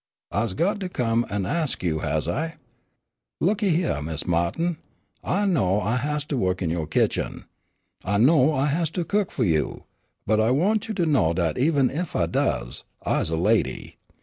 "I's got to come an' ax you, has I? Look a hyeah, Mis' Ma'tin, I know I has to wo'k in yo' kitchen. I know I has to cook fu' you, but I want you to know dat even ef I does I's a lady.